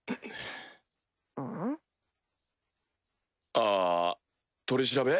あ取り調べ？